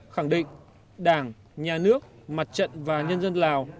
khẳng định đảng nhà nước mặt trận và nhân dân lào